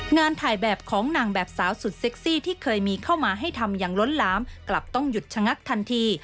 งานถ่ายแบบของนางแบบสาวสุดเซ็กซี่ที่เคยมีเข้ามาให้ทำอย่างล้นหลามกลับต้องหยุดชะงักทันที